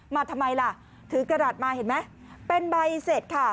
ทำไมล่ะถือกระดาษมาเห็นไหมเป็นใบเสร็จค่ะ